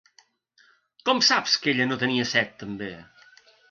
Com saps que ella no tenia set també?